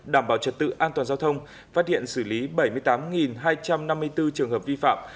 đảm bảo trật tự an toàn giao thông phát hiện xử lý bảy mươi tám hai trăm năm mươi bốn trường hợp vi phạm